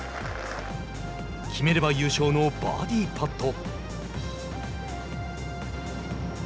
決めれば優勝のバーディーパット。